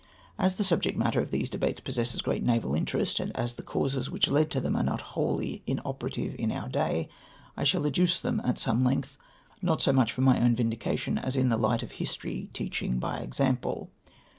As the subject matter of these debates possesses great naval interest, and as the causes which led to them are not wholly inoperative in our day, I shall adduce them at some length, not so much for my own vindication, as in the light of history teaching by example.